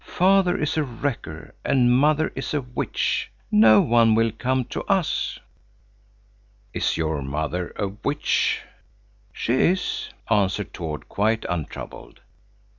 Father is a wrecker and mother is a witch. No one will come to us." "Is your mother a witch?" "She is," answered Tord, quite untroubled.